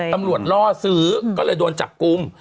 ตำรวจล่อซื้อก็เลยโดนจับกุม